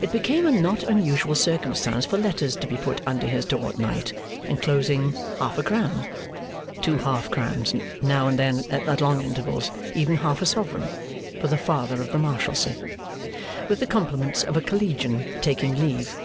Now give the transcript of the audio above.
It became a not unusual circumstance for letters to be put under his door at night, enclosing half a crown, two half crowns, now and then at long intervals even half a sovereign, for the Father of the Marshalsea. 'With the compliments of a collegian taking leave.